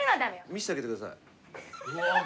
見してあげてください。